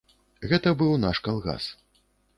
Гэта быў наш калгас.